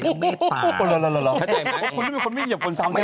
รือ่อชัยได้ไหมครับโอ้โหพี่มันไม่เหยียบคนซ้ำได้ไหม